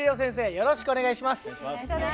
よろしくお願いします。